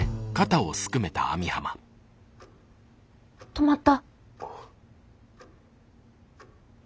止まった。